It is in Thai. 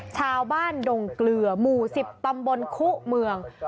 ชาวบ้านดงเกลือหมู่๑๐ตำบลคุเมือง